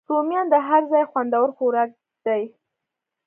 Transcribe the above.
رومیان د هر ځای خوندور خوراک دی